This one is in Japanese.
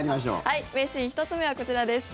名シーン１つ目はこちらです。